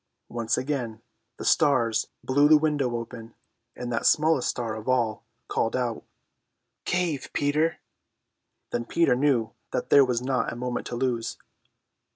Once again the stars blew the window open, and that smallest star of all called out: "Cave, Peter!" Then Peter knew that there was not a moment to lose.